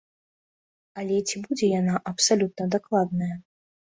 Але ці будзе яна абсалютна дакладная?